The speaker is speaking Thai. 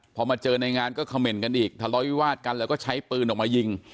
พอมาเจอในงานก็เขม่นกันอีกทะเลาะวิวาดกันแล้วก็ใช้ปืนออกมายิง